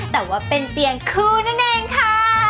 แต่ว่าเป็นเตียงคู่นั่นเองค่ะ